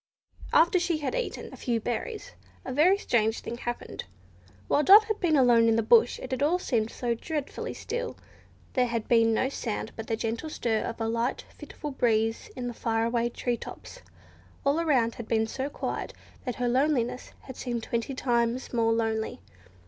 After she had eaten a few berries a very strange thing happened. While Dot had been alone in the bush it had all seemed so dreadfully still. There had been no sound but the gentle stir of a light, fitful breeze in the far away tree tops. All around had been so quiet, that her loneliness had seemed twenty times more lonely.